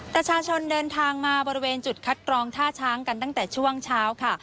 ประชาชนเดินทางมาบริเวณจุดคัดกรองท่าช้างกันตั้งแต่ช่วงเช้าค่ะ